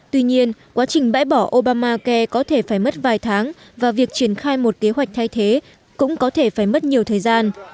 tuy nhiên quá trình bãi bỏ obamacare có thể phải mất vài tháng và việc triển khai một kế hoạch thay thế cũng có thể phải mất nhiều thời gian